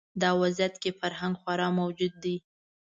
دا وضعیت کې فرهنګ خوار موجود دی